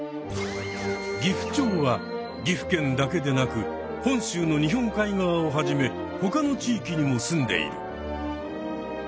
ギフチョウは岐阜県だけでなく本州の日本海側をはじめほかの地域にもすんでいる。